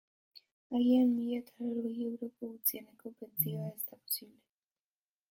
Agian mila eta laurogei euroko gutxieneko pentsioa ez da posible.